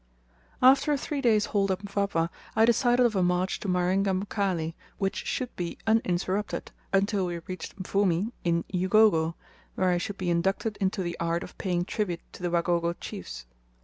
After a three days' halt at Mpwapwa I decided of a march to Marenga Mkali, which should be uninterrupted until we reached Mvumi in Ugogo, where I should be inducted into the art of paying tribute to the Wagogo chiefs.